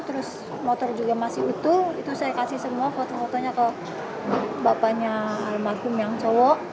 terus motor juga masih utuh itu saya kasih semua foto fotonya ke bapaknya almarhum yang cowok